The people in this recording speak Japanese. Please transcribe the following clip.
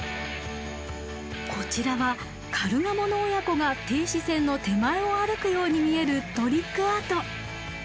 こちらはカルガモの親子が停止線の手前を歩くように見えるトリックアート。